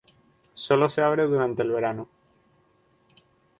Sólo se abre durante el verano.